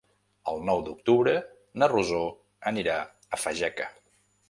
El nou d'octubre na Rosó anirà a Fageca.